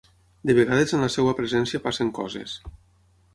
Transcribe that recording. De vegades en la seva presència passen coses.